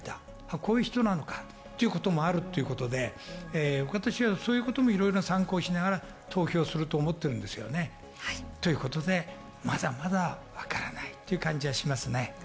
こういう人なのかっていうのもあるっていうことで、私はそういうことも参考にしながら投票すると思ってるんですよね。ということで、まだまだわからないっていう感じがします。